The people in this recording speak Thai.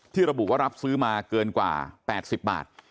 ระบุว่ารับซื้อมาเกินกว่า๘๐บาท